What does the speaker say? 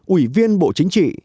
ủy viên bộ chính trị